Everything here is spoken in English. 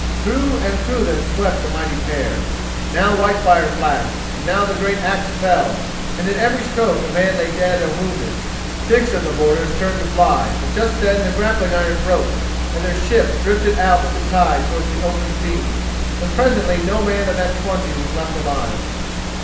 Through and through them swept the mighty pair, now Whitefire flashed, and now the great axe fell, and at every stroke a man lay dead or wounded. Six of the boarders turned to fly, but just then the grappling iron broke and their ship drifted out with the tide towards the open sea, and presently no man of that twenty was left alive.